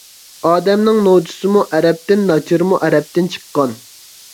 ئادەمنىڭ نوچىسىمۇ ئەرەبتىن، ناچىرىمۇ ئەرەبتىن چىققان.